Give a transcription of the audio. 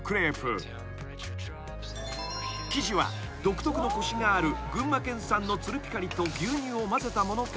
［生地は独特のコシがある群馬県産のつるぴかりと牛乳を混ぜたものか］